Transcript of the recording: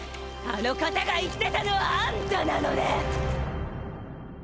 あの方が言ってたのはあんたなのね。